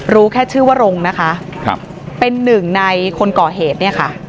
รู้แค่ชื่อว่ารงค์นะคะครับเป็นหนึ่งในคนก่อเหตุเนี่ยค่ะ